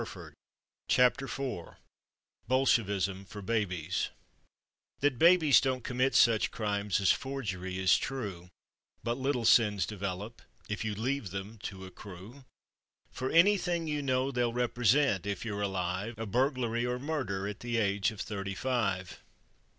BOLSHEVISM FOR BABIES "That babies don't commit such crimes as forgery is true, But little sins develop, if you leave them to accrue; For anything you know, they'll represent, if you're alive, A burglary or murder at the age of thirty five."